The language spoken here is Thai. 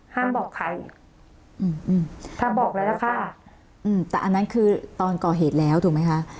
บอกใครอืมถ้าบอกแล้วนะคะอืมแต่อันนั้นคือตอนก่อเหตุแล้วถูกไหมคะ